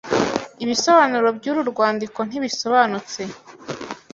Ibisobanuro by'uru rwandiko ntibisobanutse.